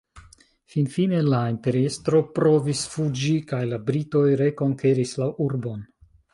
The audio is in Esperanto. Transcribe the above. Finfine la imperiestro provis fuĝi kaj la britoj rekonkeris la urbon.